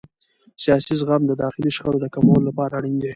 سیاسي زغم د داخلي شخړو د کمولو لپاره اړین دی